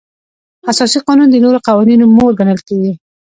اساسي قانون د نورو قوانینو مور ګڼل کیږي.